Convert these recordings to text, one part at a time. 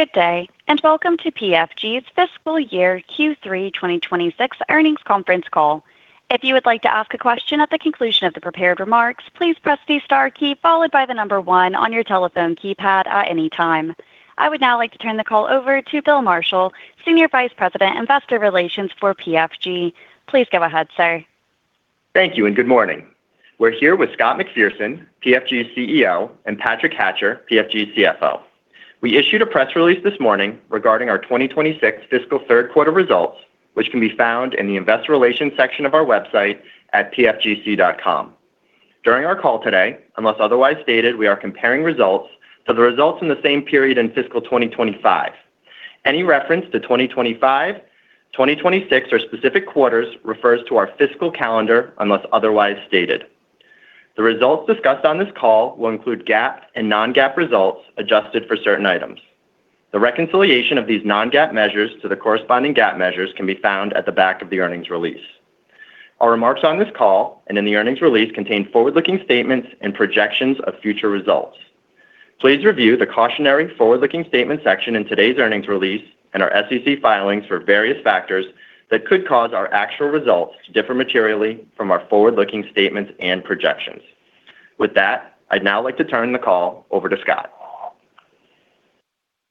Good day, and welcome to PFG's Fiscal Year Q3 2026 Earnings Conference Call. If you would like to ask a question at the conclusion of the prepared remarks, please press the star key followed by the number 1 on your telephone keypad at any time. I would now like to turn the call over to Bill Marshall, Senior Vice President, Investor Relations for PFG. Please go ahead, sir. Thank you and good morning. We're here with Scott McPherson, PFG's CEO, and Patrick Hatcher, PFG's CFO. We issued a press release this morning regarding our 2026 fiscal third quarter results, which can be found in the Investor Relations section of our website at pfgc.com. During our call today, unless otherwise stated, we are comparing results to the results in the same period in fiscal 2025. Any reference to 2025, 2026 or specific quarters refers to our fiscal calendar unless otherwise stated. The results discussed on this call will include GAAP and Non-GAAP results adjusted for certain items. The reconciliation of these Non-GAAP measures to the corresponding GAAP measures can be found at the back of the earnings release. Our remarks on this call and in the earnings release contain forward-looking statements and projections of future results. Please review the Cautionary Forward-Looking Statement section in today's earnings release and our SEC filings for various factors that could cause our actual results to differ materially from our forward-looking statements and projections. With that, I'd now like to turn the call over to Scott.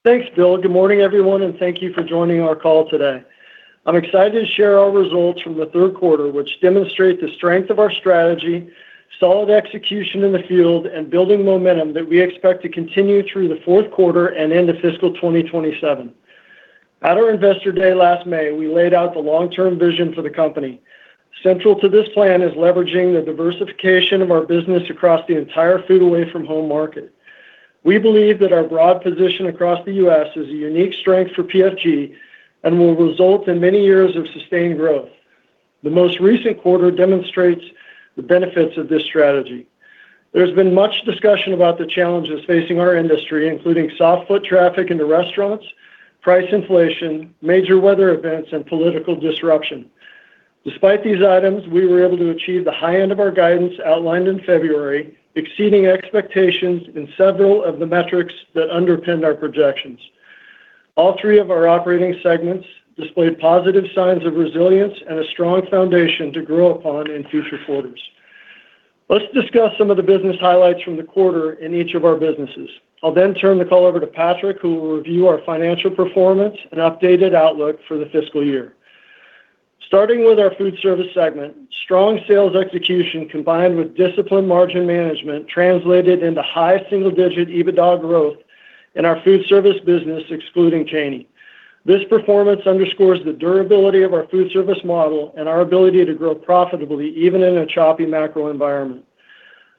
Thanks, Bill. Good morning, everyone, and thank you for joining our call today. I'm excited to share our results from the third quarter, which demonstrate the strength of our strategy, solid execution in the field, and building momentum that we expect to continue through the fourth quarter and into fiscal 2027. At our Investor Day last May, we laid out the long-term vision for the company. Central to this plan is leveraging the diversification of our business across the entire food away from home market. We believe that our broad position across the U.S. is a unique strength for PFG and will result in many years of sustained growth. The most recent quarter demonstrates the benefits of this strategy. There's been much discussion about the challenges facing our industry, including soft foot traffic into restaurants, price inflation, major weather events, and political disruption. Despite these items, we were able to achieve the high end of our guidance outlined in February, exceeding expectations in several of the metrics that underpinned our projections. All three of our operating segments displayed positive signs of resilience and a strong foundation to grow upon in future quarters. Let's discuss some of the business highlights from the quarter in each of our businesses. I'll turn the call over to Patrick, who will review our financial performance and updated outlook for the fiscal year. Starting with our Foodservice Segment, strong sales execution combined with disciplined margin management translated into high single-digit EBITDA growth in our food service business, excluding Cheney. This performance underscores the durability of our food service model and our ability to grow profitably even in a choppy macro environment.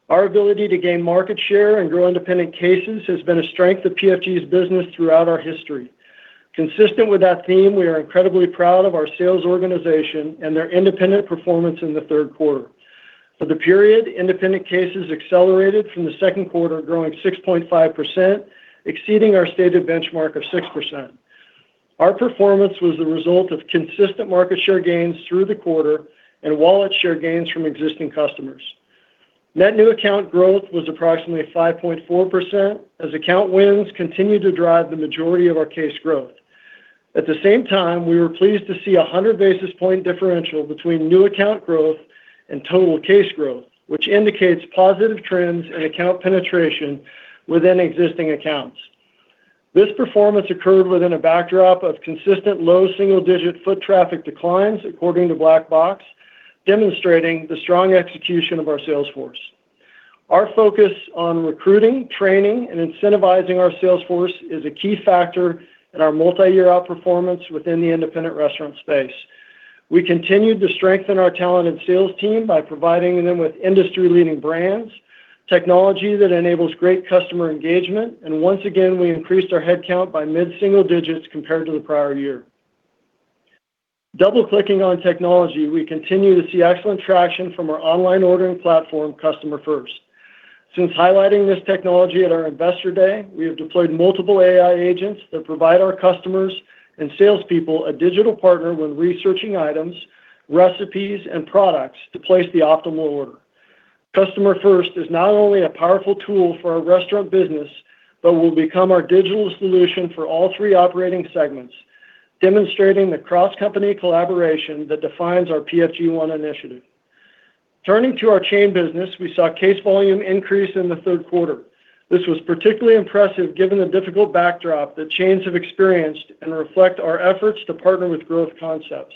Our ability to gain market share and grow independent cases has been a strength of PFG's business throughout our history. Consistent with that theme, we are incredibly proud of our sales organization and their independent performance in the third quarter. For the period, independent cases accelerated from the second quarter, growing 6.5%, exceeding our stated benchmark of 6%. Our performance was the result of consistent market share gains through the quarter and wallet share gains from existing customers. Net new account growth was approximately 5.4% as account wins continued to drive the majority of our case growth. At the same time, we were pleased to see 100 basis point differential between new account growth and total case growth, which indicates positive trends and account penetration within existing accounts. This performance occurred within a backdrop of consistent low single-digit foot traffic declines according to Black Box, demonstrating the strong execution of our sales force. Our focus on recruiting, training, and incentivizing our sales force is a key factor in our multi-year outperformance within the independent restaurant space. We continued to strengthen our talent and sales team by providing them with industry-leading brands, technology that enables great customer engagement, and once again, we increased our head count by mid-single digits compared to the prior year. Double-clicking on technology, we continue to see excellent traction from our online ordering platform, Customer First. Since highlighting this technology at our Investor Day, we have deployed multiple AI agents that provide our customers and salespeople a digital partner when researching items, recipes, and products to place the optimal order. CustomerFirst is not only a powerful tool for our restaurant business, but will become our digital solution for all three operating segments, demonstrating the cross-company collaboration that defines our PFG One initiative. Turning to our chain business, we saw case volume increase in the third quarter. This was particularly impressive given the difficult backdrop that chains have experienced and reflect our efforts to partner with growth concepts.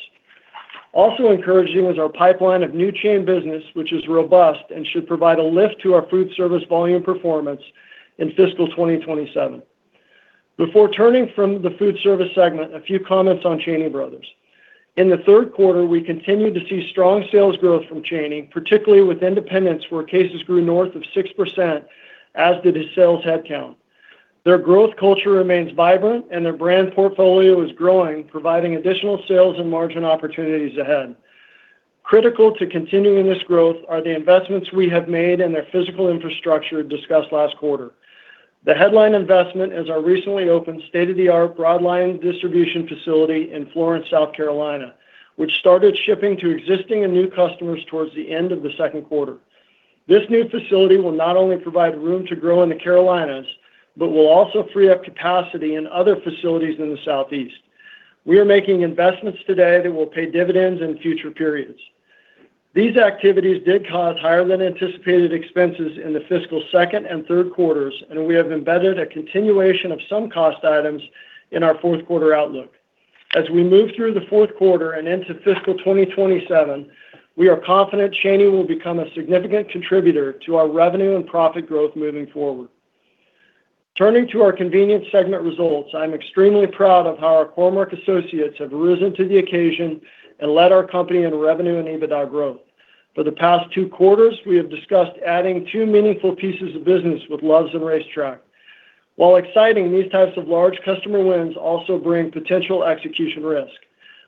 Also encouraging was our pipeline of new chain business, which is robust and should provide a lift to our foodservice volume performance in fiscal 2027. Before turning from the foodservice segment, a few comments on Cheney Brothers. In the third quarter, we continued to see strong sales growth from Cheney, particularly with independents, where cases grew north of 6%, as did its sales head count. Their growth culture remains vibrant, and their brand portfolio is growing, providing additional sales and margin opportunities ahead. Critical to continuing this growth are the investments we have made in their physical infrastructure discussed last quarter. The headline investment is our recently opened state-of-the-art Broadline distribution facility in Florence, South Carolina, which started shipping to existing and new customers towards the end of the second quarter. This new facility will not only provide room to grow in the Carolinas, but will also free up capacity in other facilities in the Southeast. We are making investments today that will pay dividends in future periods. These activities did cause higher than anticipated expenses in the fiscal second and third quarters, and we have embedded a continuation of some cost items in our fourth quarter outlook. As we move through the fourth quarter and into fiscal 2027, we are confident Cheney will become a significant contributor to our revenue and profit growth moving forward. Turning to our convenience segment results, I'm extremely proud of how our Core-Mark associates have risen to the occasion and led our company in revenue and EBITDA growth. For the past two quarters, we have discussed adding two meaningful pieces of business with Love's and RaceTrac. While exciting, these types of large customer wins also bring potential execution risk.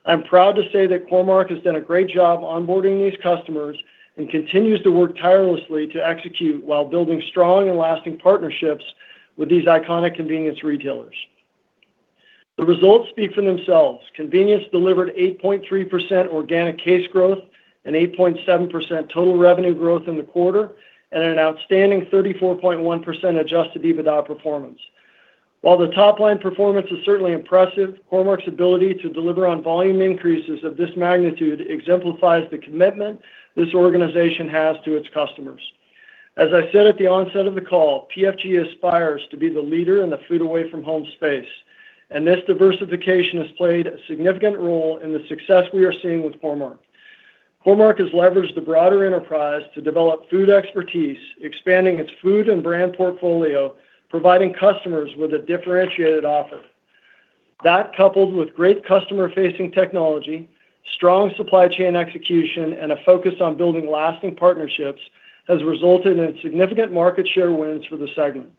I'm proud to say that Core-Mark has done a great job onboarding these customers and continues to work tirelessly to execute while building strong and lasting partnerships with these iconic convenience retailers. The results speak for themselves. Convenience delivered 8.3% organic case growth and 8.7% total revenue growth in the quarter, and an outstanding 34.1% adjusted EBITDA performance. While the top line performance is certainly impressive, Core-Mark's ability to deliver on volume increases of this magnitude exemplifies the commitment this organization has to its customers. As I said at the onset of the call, PFG aspires to be the leader in the food away from home space, and this diversification has played a significant role in the success we are seeing with Core-Mark. Core-Mark has leveraged the broader enterprise to develop food expertise, expanding its food and brand portfolio, providing customers with a differentiated offer. That, coupled with great customer-facing technology, strong supply chain execution, and a focus on building lasting partnerships, has resulted in significant market share wins for the segment.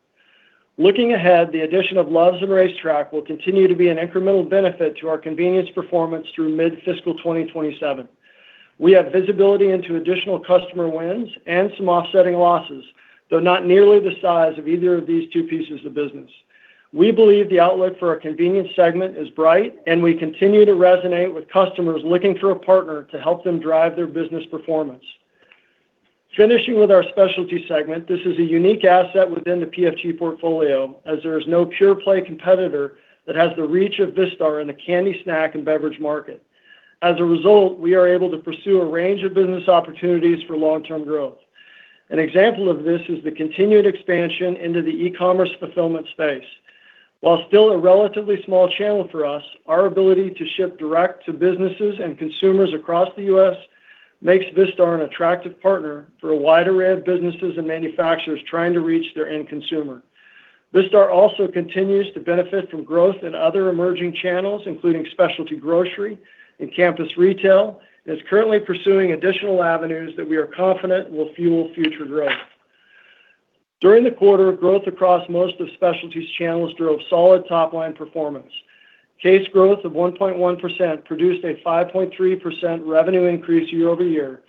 Looking ahead, the addition of Love's and RaceTrac will continue to be an incremental benefit to our convenience performance through mid-fiscal 2027. We have visibility into additional customer wins and some offsetting losses, though not nearly the size of either of these two pieces of business. We believe the outlook for our convenience segment is bright, and we continue to resonate with customers looking for a partner to help them drive their business performance. Finishing with our specialty segment, this is a unique asset within the PFG portfolio as there is no pure play competitor that has the reach of Vistar in the candy, snack, and beverage market. As a result, we are able to pursue a range of business opportunities for long-term growth. An example of this is the continued expansion into the e-commerce fulfillment space. While still a relatively small channel for us, our ability to ship direct to businesses and consumers across the U.S. makes Vistar an attractive partner for a wide array of businesses and manufacturers trying to reach their end consumer. Vistar also continues to benefit from growth in other emerging channels, including specialty grocery and campus retail, and is currently pursuing additional avenues that we are confident will fuel future growth. During the quarter, growth across most of specialty channels drove solid top-line performance. Case growth of 1.1% produced a 5.3% revenue increase year-over-year.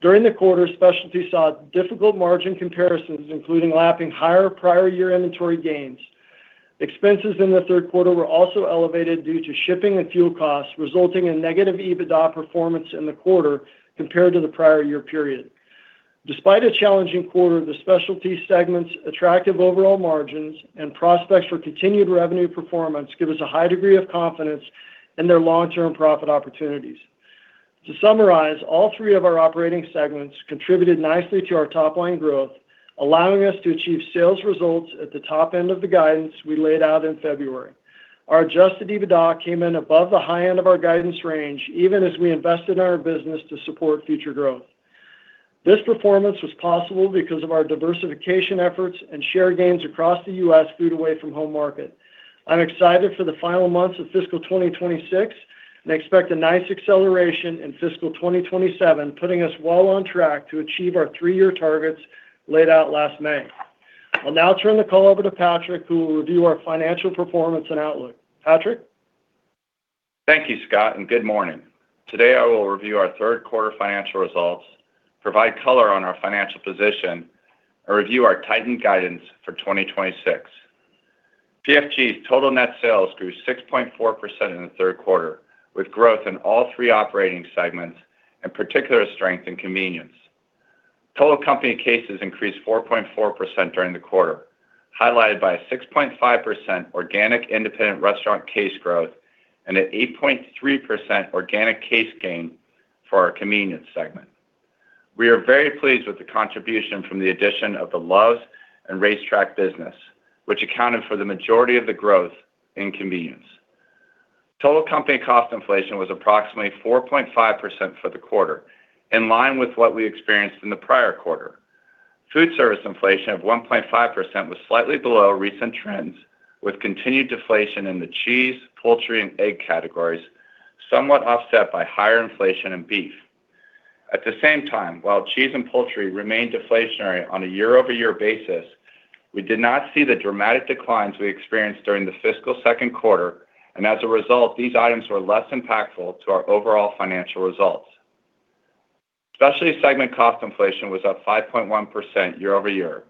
During the quarter, specialty saw difficult margin comparisons, including lapping higher prior year inventory gains. Expenses in the third quarter were also elevated due to shipping and fuel costs, resulting in negative EBITDA performance in the quarter compared to the prior year period. Despite a challenging quarter, the specialty segment's attractive overall margins and prospects for continued revenue performance give us a high degree of confidence in their long-term profit opportunities. To summarize, all three of our operating segments contributed nicely to our top line growth, allowing us to achieve sales results at the top end of the guidance we laid out in February. Our adjusted EBITDA came in above the high end of our guidance range, even as we invested in our business to support future growth. This performance was possible because of our diversification efforts and share gains across the U.S. food away from home market. I'm excited for the final months of fiscal 2026 and expect a nice acceleration in fiscal 2027, putting us well on track to achieve our three-year targets laid out last May. I'll now turn the call over to Patrick, who will review our financial performance and outlook. Patrick? Thank you, Scott, and good morning. Today, I will review our third quarter financial results, provide color on our financial position, and review our tightened guidance for 2026. PFG's total net sales grew 6.4% in the third quarter, with growth in all three operating segments and particular strength in Convenience. Total company cases increased 4.4% during the quarter, highlighted by a 6.5% organic independent restaurant case growth and an 8.3% organic case gain for our Convenience segment. We are very pleased with the contribution from the addition of the Love's and RaceTrac business, which accounted for the majority of the growth in Convenience. Total company cost inflation was approximately 4.5% for the quarter, in line with what we experienced in the prior quarter. Foodservice inflation of 1.5% was slightly below recent trends, with continued deflation in the cheese, poultry, and egg categories, somewhat offset by higher inflation in beef. At the same time, while cheese and poultry remained deflationary on a year-over-year basis, we did not see the dramatic declines we experienced during the fiscal second quarter. As a result, these items were less impactful to our overall financial results. Specialty segment cost inflation was up 5.1% year-over-year,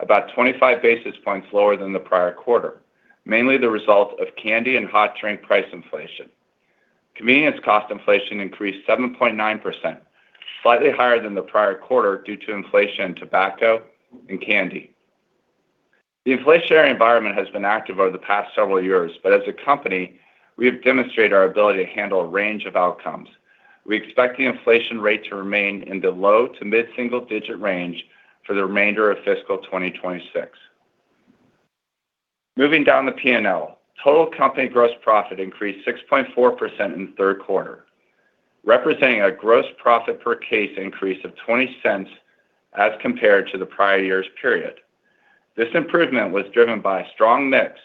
about 25 basis points lower than the prior quarter, mainly the result of candy and hot drink price inflation. Convenience cost inflation increased 7.9%, slightly higher than the prior quarter due to inflation in tobacco and candy. The inflationary environment has been active over the past several years, but as a company, we have demonstrated our ability to handle a range of outcomes. We expect the inflation rate to remain in the low to mid-single-digit range for the remainder of fiscal 2026. Moving down the P&L. Total company gross profit increased 6.4% in the 3rd quarter, representing a gross profit per case increase of $0.20 as compared to the prior year's period. This improvement was driven by strong mix,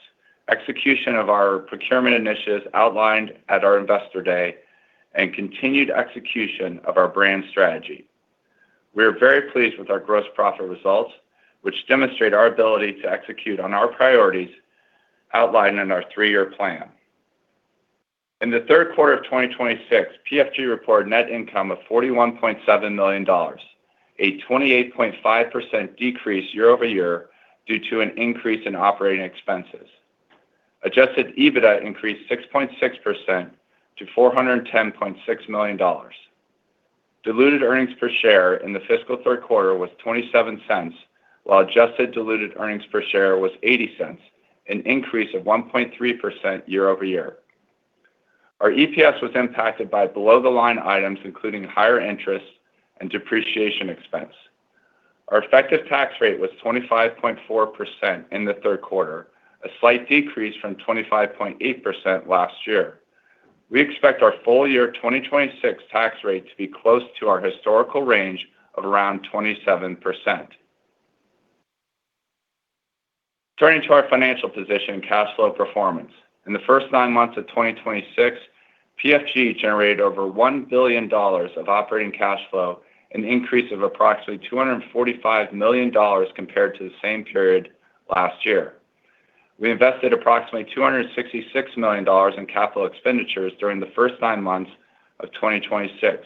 execution of our procurement initiatives outlined at our Investor Day, and continued execution of our brand strategy. We are very pleased with our gross profit results, which demonstrate our ability to execute on our priorities outlined in our three-year plan. In the 3rd quarter of 2026, PFG reported net income of $41.7 million, a 28.5% decrease year-over-year due to an increase in operating expenses. Adjusted EBITDA increased 6.6% to $410.6 million. Diluted earnings per share in the fiscal third quarter was $0.27, while adjusted diluted earnings per share was $0.80, an increase of 1.3% year-over-year. Our EPS was impacted by below-the-line items, including higher interest and depreciation expense. Our effective tax rate was 25.4% in the third quarter, a slight decrease from 25.8% last year. We expect our full year 2026 tax rate to be close to our historical range of around 27%. Turning to our financial position and cash flow performance. In the first nine months of 2026, PFG generated over $1 billion of operating cash flow, an increase of approximately $245 million compared to the same period last year. We invested approximately $266 million in capital expenditures during the first nine months of 2026.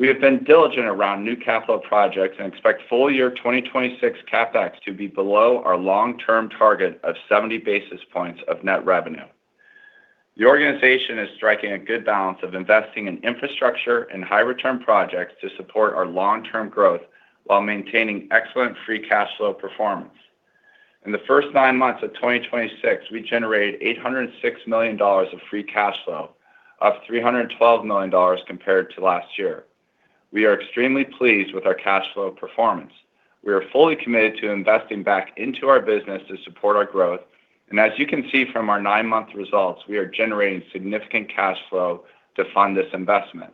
We have been diligent around new capital projects and expect full year 2026 CapEx to be below our long-term target of 70 basis points of net revenue. The organization is striking a good balance of investing in infrastructure and high-return projects to support our long-term growth while maintaining excellent free cash flow performance. In the first nine months of 2026, we generated $806 million of free cash flow, up $312 million compared to last year. We are extremely pleased with our cash flow performance. We are fully committed to investing back into our business to support our growth. As you can see from our nine-month results, we are generating significant cash flow to fund this investment.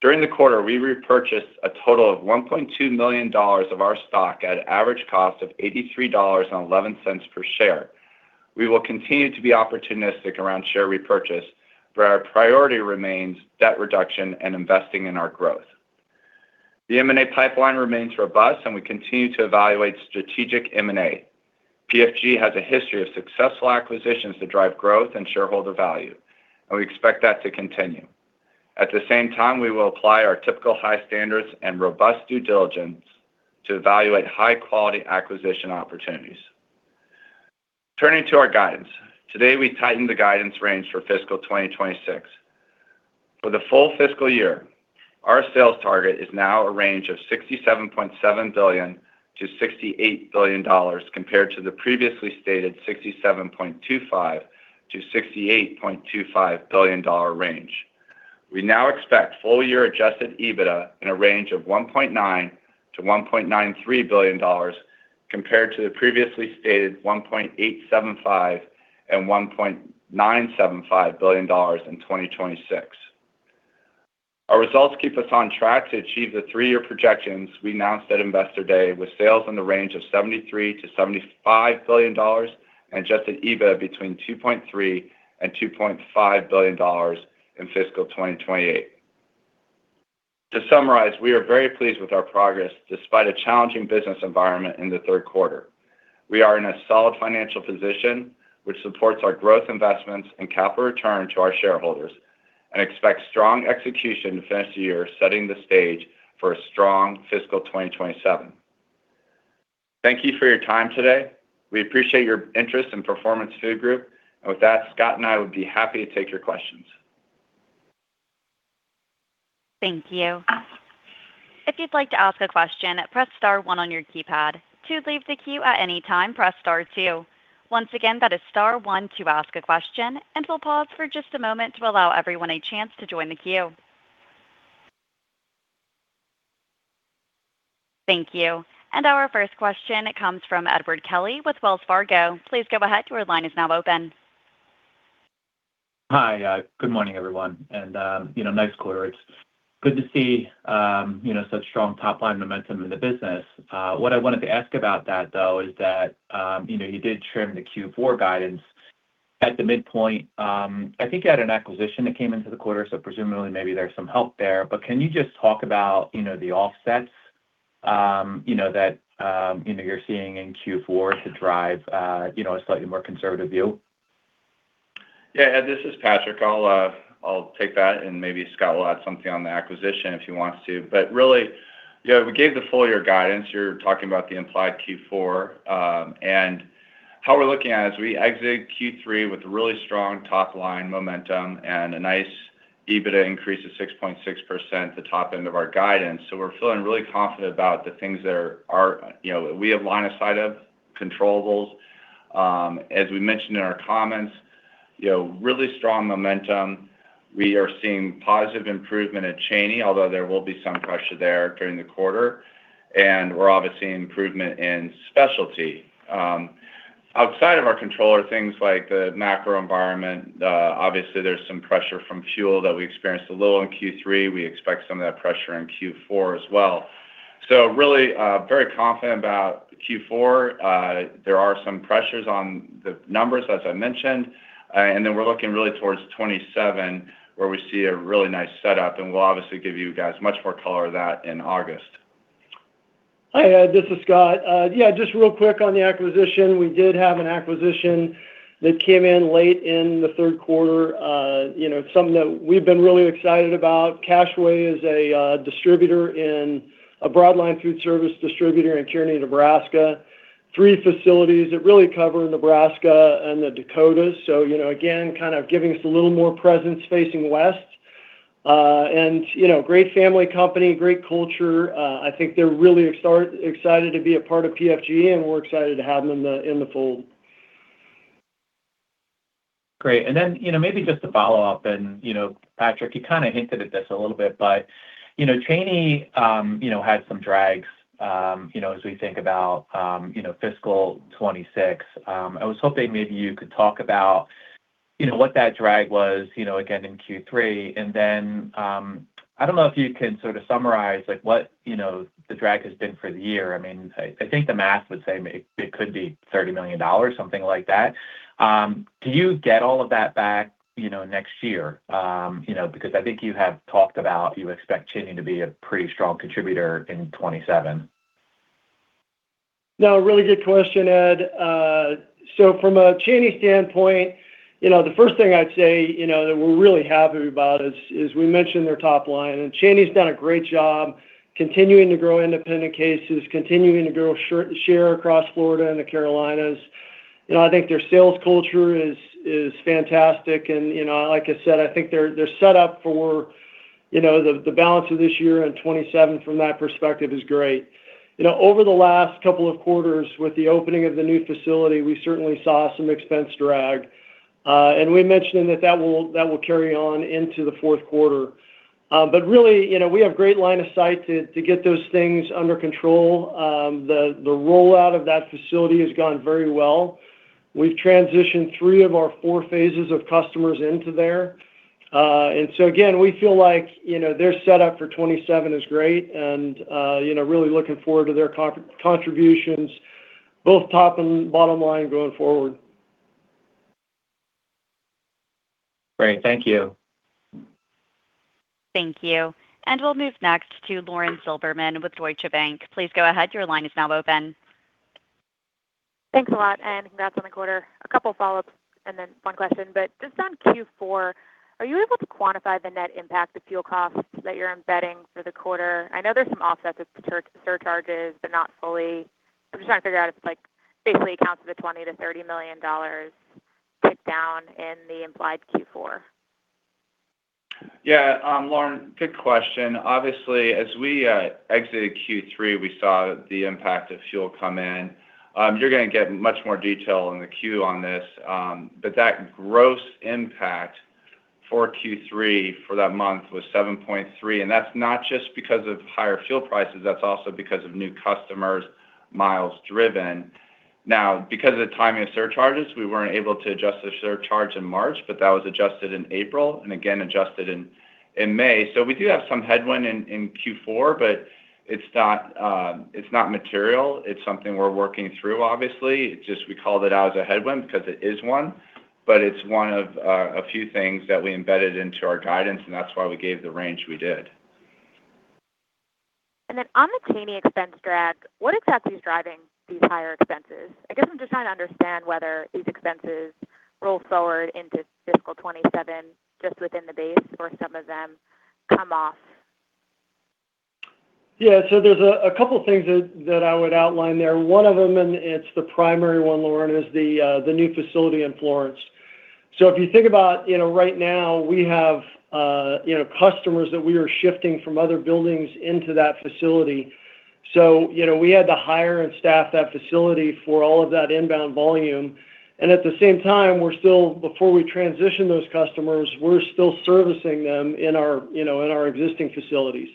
During the quarter, we repurchased a total of $1.2 million of our stock at an average cost of $83.11 per share. We will continue to be opportunistic around share repurchase, but our priority remains debt reduction and investing in our growth. The M&A pipeline remains robust and we continue to evaluate strategic M&A. PFG has a history of successful acquisitions that drive growth and shareholder value, and we expect that to continue. At the same time, we will apply our typical high standards and robust due diligence to evaluate high-quality acquisition opportunities. Turning to our guidance. Today, we tightened the guidance range for fiscal 2026. For the full fiscal year, our sales target is now a range of $67.7 billion-$68 billion compared to the previously stated $67.25 billion-$68.25 billion range. We now expect full year adjusted EBITDA in a range of $1.9 billion-$1.93 billion compared to the previously stated $1.875 billion and $1.975 billion in 2026. Our results keep us on track to achieve the three-year projections we announced at Investor Day, with sales in the range of $73 billion-$75 billion and adjusted EBITDA between $2.3 billion and $2.5 billion in fiscal 2028. To summarize, we are very pleased with our progress despite a challenging business environment in the third quarter. We are in a solid financial position, which supports our growth investments and capital return to our shareholders, and expect strong execution to finish the year, setting the stage for a strong fiscal 2027. Thank you for your time today. We appreciate your interest in Performance Food Group. With that, Scott and I would be happy to take your questions. Thank you. If you'd like to ask a question, press star 1 on your keypad. To leave the queue at any time, press star 2. Once again, that is star 1 to ask a question. We'll pause for just a moment to allow everyone a chance to join the queue. Thank you. Our first question comes from Edward Kelly with Wells Fargo. Please go ahead. Your line is now open. Hi. Good morning, everyone. You know, nice quarter. It's good to see, you know, such strong top-line momentum in the business. What I wanted to ask about that, though, is that, you know, you did trim the Q4 guidance at the midpoint. I think you had an acquisition that came into the quarter, presumably, maybe there's some help there. Can you just talk about, you know, the offsets, you know, that, you know, you're seeing in Q4 to drive, you know, a slightly more conservative view? Yeah, Edward Kelly, this is Patrick Hatcher. I'll take that, and maybe Scott McPherson will add something on the acquisition if he wants to. Really, we gave the full year guidance. You're talking about the implied Q4. How we're looking at it is we exit Q3 with really strong top-line momentum and a nice EBITDA increase of 6.6%, the top end of our guidance. We're feeling really confident about the things that are, you know, we have line of sight of, controllables. As we mentioned in our comments, you know, really strong momentum. We are seeing positive improvement at Cheney, although there will be some pressure there during the quarter, and we're obviously seeing improvement in specialty. Outside of our control are things like the macro environment. Obviously, there's some pressure from fuel that we experienced a little in Q3. We expect some of that pressure in Q4 as well. Really very confident about Q4. There are some pressures on the numbers, as I mentioned. Then we're looking really towards 2027, where we see a really nice setup, and we'll obviously give you guys much more color of that in August. Hi, Ed. This is Scott. Yeah, just real quick on the acquisition. We did have an acquisition that came in late in the third quarter. You know, something that we've been really excited about. Cash-Wa is a broadline foodservice distributor in Kearney, Nebraska. Three facilities that really cover Nebraska and the Dakotas, you know, again, kind of giving us a little more presence facing west. You know, great family company, great culture. I think they're really excited to be a part of PFG, we're excited to have them in the fold. Great. You know, maybe just to follow up, you know, Patrick, you kind of hinted at this a little bit, but you know, Cheney, you know, had some drags. You know, as we think about, you know, fiscal 2026, I was hoping maybe you could talk about, you know, what that drag was, you know, again in Q3. I don't know if you can sort of summarize, like, what, you know, the drag has been for the year. I think the math would say it could be $30 million, something like that. Do you get all of that back, you know, next year? You know, I think you have talked about you expect Cheney to be a pretty strong contributor in 2027. No, really good question, Ed. From a Cheney standpoint, you know, the first thing I'd say, you know, that we're really happy about is we mentioned their top line. Cheney's done a great job continuing to grow independent cases, continuing to grow share across Florida and the Carolinas. You know, I think their sales culture is fantastic, and, you know, like I said, I think they're set up for, you know, the balance of this year, and 2027 from that perspective is great. You know, over the last couple of quarters with the opening of the new facility, we certainly saw some expense drag. We mentioned that that will carry on into the fourth quarter. Really, you know, we have great line of sight to get those things under control. The rollout of that facility has gone very well. We've transitioned 3 of our 4 phases of customers into there. Again, we feel like, you know, their setup for 2027 is great and, you know, really looking forward to their contributions both top and bottom line going forward. Great. Thank you. Thank you. We'll move next to Lauren Silberman with Deutsche Bank. Please go ahead. Thanks a lot, congrats on the quarter. A couple follow-ups then one question. Just on Q4, are you able to quantify the net impact of fuel costs that you're embedding for the quarter? I know there's some offsets with surcharges, but not fully. I'm just trying to figure out if, like, basically accounts for the $20 million-$30 million tick down in the implied Q4. Yeah. Lauren, good question. As we exited Q3, we saw the impact of fuel come in. You're gonna get much more detail in the Q on this. That gross impact for Q3 for that month was $7.3, and that's not just because of higher fuel prices. That's also because of new customers' miles driven. Because of the timing of surcharges, we weren't able to adjust the surcharge in March, that was adjusted in April and again adjusted in May. We do have some headwind in Q4, it's not material. It's something we're working through, obviously. We called it out as a headwind because it is one, it's one of a few things that we embedded into our guidance, and that's why we gave the range we did. On the Cheney expense drag, what exactly is driving these higher expenses? I guess I'm just trying to understand whether these expenses roll forward into fiscal 2027 just within the base or some of them come off. Yeah. There's a couple things that I would outline there. One of them, and it's the primary one, Lauren Silberman, is the new facility in Florence. If you think about, you know, right now, we have, you know, customers that we are shifting from other buildings into that facility. We had to hire and staff that facility for all of that inbound volume, and at the same time, before we transition those customers, we're still servicing them in our, you know, in our existing facilities.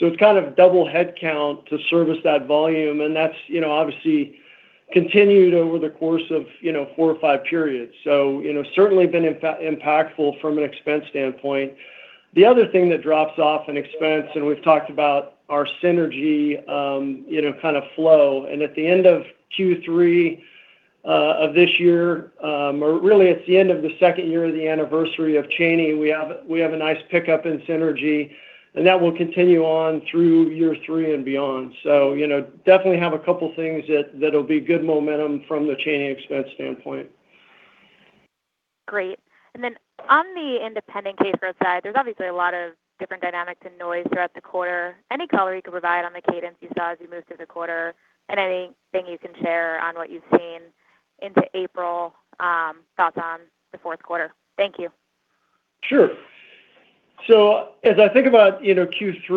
It's kind of double headcount to service that volume, and that's, you know, obviously continued over the course of, you know, four or five periods. Certainly been impactful from an expense standpoint. The other thing that drops off in expense, and we've talked about our synergy, you know, kind of flow. At the end of Q3 of this year, or really it's the end of the second year of the anniversary of Cheney, we have a nice pickup in synergy, and that will continue on through year three and beyond. You know, definitely have a couple things that'll be good momentum from the Cheney expense standpoint. Great. On the independent case growth side, there's obviously a lot of different dynamics and noise throughout the quarter. Any color you could provide on the cadence you saw as you moved through the quarter and anything you can share on what you've seen into April, thoughts on the fourth quarter? Thank you. Sure. As I think about, you know, Q3,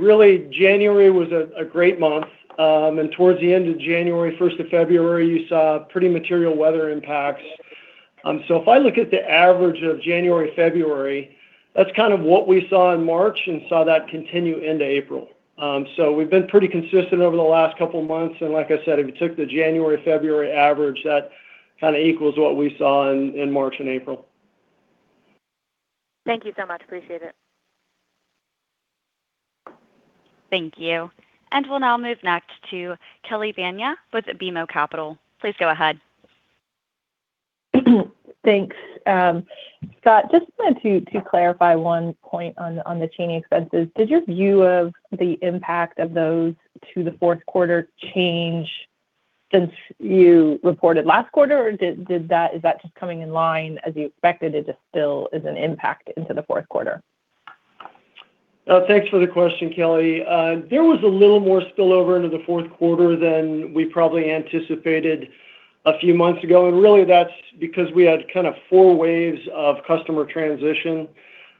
really January was a great month. Towards the end of January, first of February, you saw pretty material weather impacts. If I look at the average of January, February, that's kind of what we saw in March and saw that continue into April. We've been pretty consistent over the last couple of months, and like I said, if you took the January, February average, that kind of equals what we saw in March and April. Thank you so much. Appreciate it. Thank you. We'll now move next to Kelly Bania with BMO Capital. Please go ahead. Thanks. Scott, just wanted to clarify one point on the Cheney expenses. Did your view of the impact of those to the fourth quarter change since you reported last quarter? Or is that just coming in line as you expected it to still as an impact into the fourth quarter? Thanks for the question, Kelly. There was a little more spillover into the fourth quarter than we probably anticipated a few months ago. Really that's because we had kind of four waves of customer transition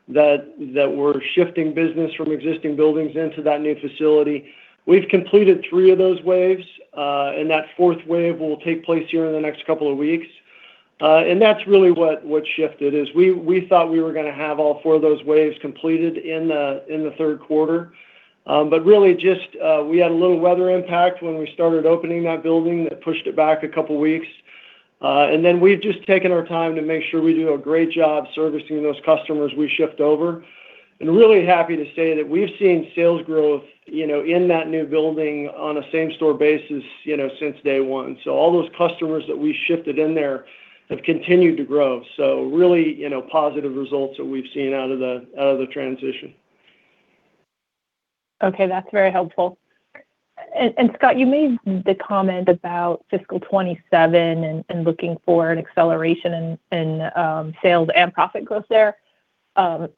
that were shifting business from existing buildings into that new facility. We've completed three of those waves, and that fourth wave will take place here in the next two weeks. That's really what shifted, is we thought we were gonna have all four of those waves completed in the, in the third quarter. Really just, we had a little weather impact when we started opening that building that pushed it back a two weeks. Then we've just taken our time to make sure we do a great job servicing those customers we shift over. Really happy to say that we've seen sales growth, you know, in that new building on a same store basis, you know, since day one. All those customers that we shifted in there have continued to grow. Really, you know, positive results that we've seen out of the transition. Okay, that's very helpful. Scott, you made the comment about fiscal 2027 and looking for an acceleration in sales and profit growth there.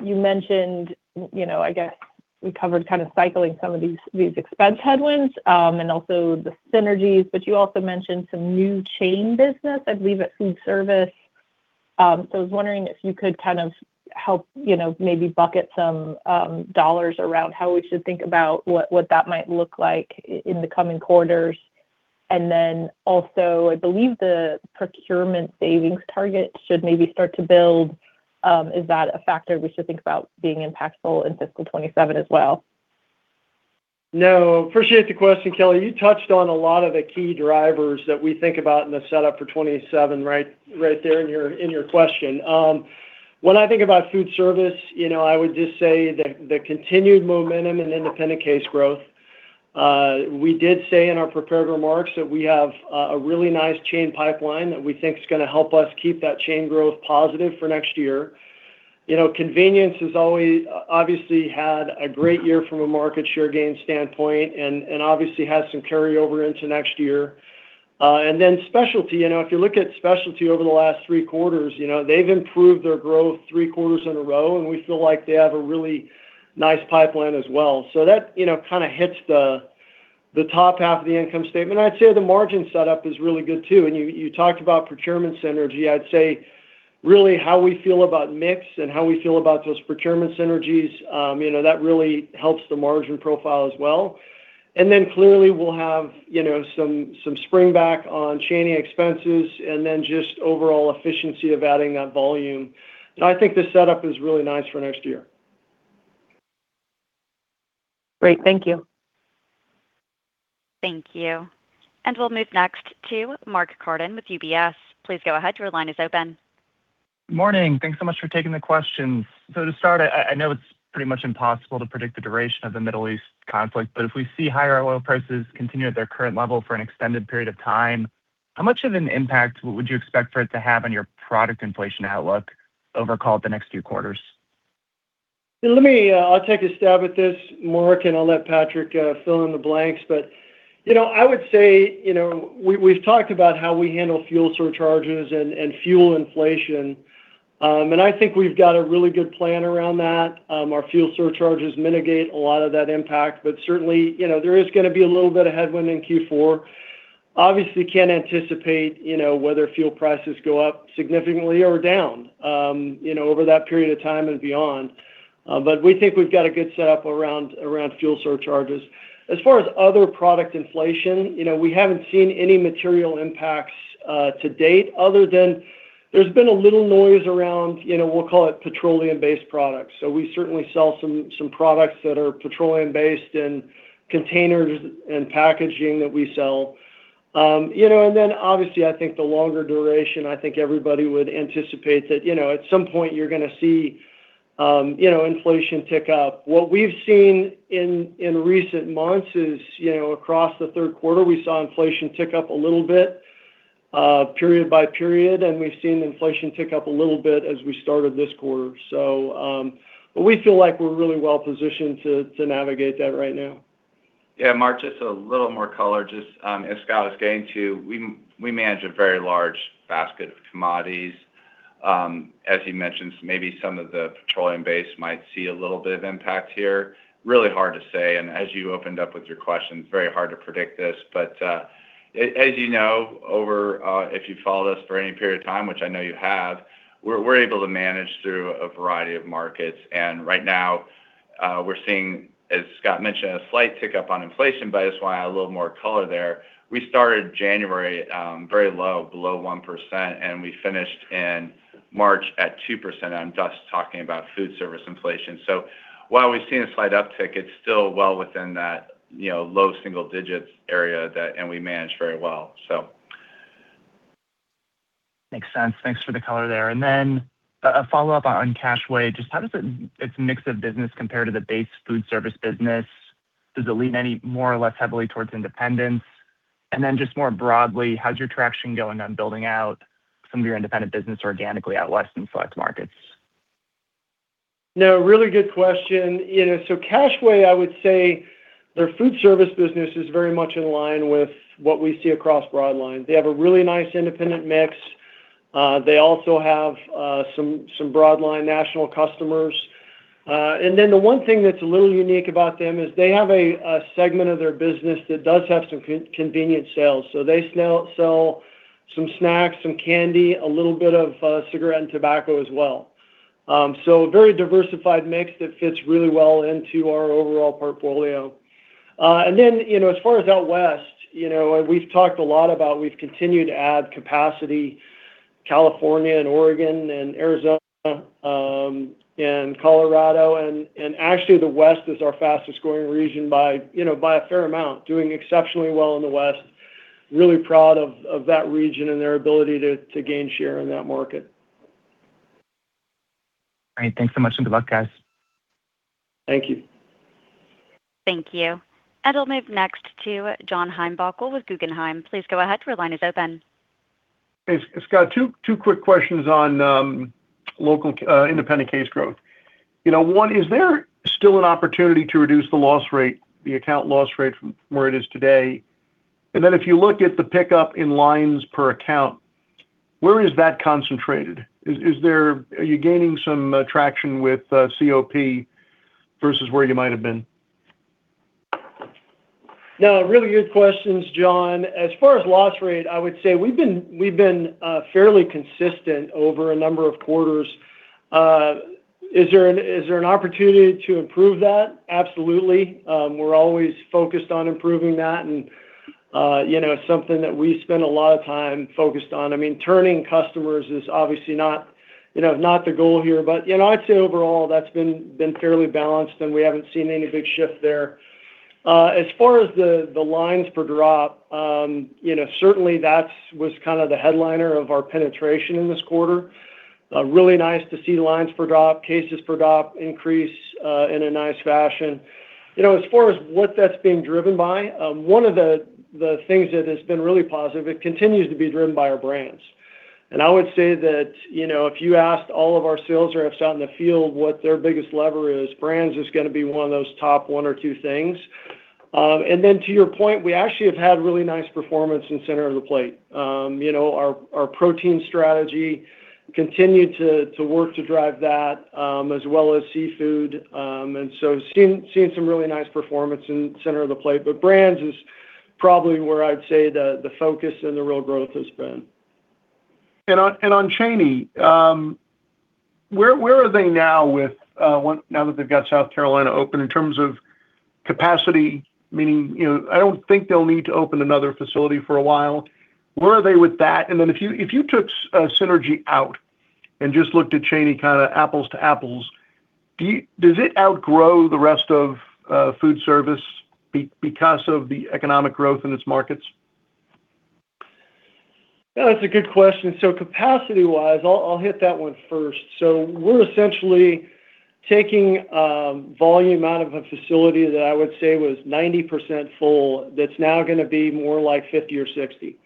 You mentioned, you know, I guess we covered kind of cycling some of these expense headwinds and also the synergies, but you also mentioned some new chain business, I believe, at Foodservice. I was wondering if you could kind of help, you know, maybe bucket some dollars around how we should think about what that might look like in the coming quarters. Also, I believe the procurement savings target should maybe start to build. Is that a factor we should think about being impactful in fiscal 2027 as well? No. Appreciate the question, Kelly. You touched on a lot of the key drivers that we think about in the setup for 2027, right there in your question. When I think about Foodservice, you know, I would just say that the continued momentum in independent case growth. We did say in our prepared remarks that we have a really nice chain pipeline that we think is going to help us keep that chain growth positive for next year. You know, Convenience has always obviously had a great year from a market share gain standpoint and obviously has some carryover into next year. Then Specialty, you know, if you look at Specialty over the last three quarters, you know, they've improved their growth three quarters in a row, and we feel like they have a really nice pipeline as well. That, you know, kind of hits the top half of the income statement. I'd say the margin setup is really good too. You talked about procurement synergy. I'd say really how we feel about mix and how we feel about those procurement synergies, you know, that really helps the margin profile as well. Then clearly we'll have, you know, some springback on Cheney expenses and then just overall efficiency of adding that volume. I think the setup is really nice for next year. Great. Thank you. Thank you. We'll move next to Mark Carden with UBS. Please go ahead. Your line is open. Morning. Thanks so much for taking the questions. To start, I know it's pretty much impossible to predict the duration of the Middle East conflict, but if we see higher oil prices continue at their current level for an extended period of time, how much of an impact would you expect for it to have on your product inflation outlook over, call it, the next few quarters? Let me, I'll take a stab at this, Mark Carden, and I'll let Patrick Hatcher fill in the blanks. You know, I would say, you know, we've talked about how we handle fuel surcharges and fuel inflation. I think we've got a really good plan around that. Our fuel surcharges mitigate a lot of that impact, but certainly, you know, there is gonna be a little bit of headwind in Q4. Obviously can't anticipate, you know, whether fuel prices go up significantly or down, you know, over that period of time and beyond. We think we've got a good setup around fuel surcharges. As far as other product inflation, you know, we haven't seen any material impacts to date other than there's been a little noise around, you know, we'll call it petroleum-based products. We certainly sell some products that are petroleum-based and containers and packaging that we sell. You know, obviously, I think the longer duration, I think everybody would anticipate that, you know, at some point you're gonna see inflation tick up. What we've seen in recent months is, you know, across the third quarter, we saw inflation tick up a little bit, period by period, and we've seen inflation tick up a little bit as we started this quarter. We feel like we're really well positioned to navigate that right now. Yeah, Mark, just a little more color. Just, as Scott was getting to, we manage a very large basket of commodities. As he mentioned, maybe some of the petroleum base might see a little bit of impact here. Really hard to say, and as you opened up with your question, it's very hard to predict this. As you know, over, if you've followed us for any period of time, which I know you have, we're able to manage through a variety of markets. Right now, we're seeing, as Scott mentioned, a slight tick up on inflation, but I just wanna add a little more color there. We started January, very low, below 1%, and we finished in March at 2%. I'm just talking about foodservice inflation. While we've seen a slight uptick, it's still well within that, you know, low single digits area that we manage very well. Makes sense. Thanks for the color there. Then a follow-up on Cash-Wa. Just how does its mix of business compare to the base food service business? Does it lean any more or less heavily towards independence? Then just more broadly, how's your traction going on building out some of your independent business organically out West in select markets? No, really good question. You know, Cash-Wa, I would say their foodservice business is very much in line with what we see across Broadline. They have a really nice independent mix. They also have some Broadline national customers. The one thing that's a little unique about them is they have a segment of their business that does have some convenience sales. They sell some snacks, some candy, a little bit of cigarette and tobacco as well. A very diversified mix that fits really well into our overall portfolio. You know, as far as out West, you know, we've talked a lot about we've continued to add capacity, California and Oregon and Arizona, and Colorado, and actually, the West is our fastest growing region by, you know, by a fair amount. Doing exceptionally well in the West. Really proud of that region and their ability to gain share in that market. Great. Thanks so much, and good luck, guys. Thank you. Thank you. We'll move next to John Heinbockel with Guggenheim. Please go ahead. Your line is open. Hey, Scott, two quick questions on local independent case growth. You know, one, is there still an opportunity to reduce the loss rate, the account loss rate from where it is today? Then if you look at the pickup in lines per account, where is that concentrated? Are you gaining some traction with COP versus where you might have been? No, really good questions, John. As far as loss rate, I would say we've been fairly consistent over a number of quarters. Is there an opportunity to improve that? Absolutely. We're always focused on improving that and, you know, something that we spend a lot of time focused on. I mean, turning customers is obviously not, you know, not the goal here. You know, I'd say overall that's been fairly balanced, and we haven't seen any big shift there. As far as the lines per drop, you know, certainly that's was kinda the headliner of our penetration in this quarter. Really nice to see lines per drop, cases per drop increase in a nice fashion. You know, as far as what that's being driven by, one of the things that has been really positive, it continues to be driven by our brands. I would say that, you know, if you asked all of our sales reps out in the field what their biggest lever is, brands is gonna be one of those top one or two things. To your point, we actually have had really nice performance in Center of the Plate. You know, our protein strategy continued to work to drive that, as well as seafood. Seeing some really nice performance in Center of the Plate. Brands is probably where I'd say the focus and the real growth has been. On Cheney, where are they now that they've got South Carolina open in terms of capacity, meaning, you know, I don't think they'll need to open another facility for a while? Where are they with that? Then if you took synergy out and just looked at Cheney kinda apples to apples, does it outgrow the rest of foodservice because of the economic growth in its markets? Yeah, that's a good question. Capacity-wise, I'll hit that one first. We're essentially taking volume out of a facility that I would say was 90% full that's now gonna be more like 50 or 60.